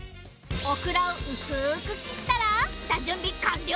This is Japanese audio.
オクラを薄く切ったら下準備完了